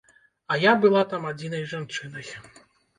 А я была там адзінай жанчынай.